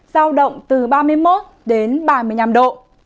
giao động từ ba mươi một đến ba mươi năm độ